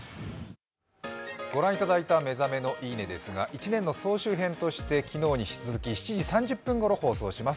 ご覧いただいた「目覚めのいい音」ですが１年の総集編として７時３０分ごろ放送します。